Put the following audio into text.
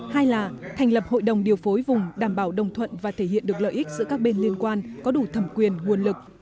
hai là thành lập hội đồng điều phối vùng đảm bảo đồng thuận và thể hiện được lợi ích giữa các bên liên quan có đủ thẩm quyền nguồn lực